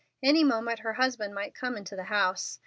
Any moment her husband might come into the house.